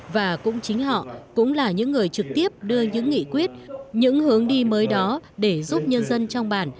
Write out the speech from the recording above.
và cũng chính họ cũng là những người trực tiếp đưa những nghị quyết những hướng đi mới đó để giúp nhân dân trong bản